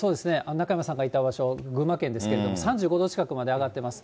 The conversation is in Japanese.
中山さんがいた場所、群馬県ですけれども、３５度近くまで上がってます。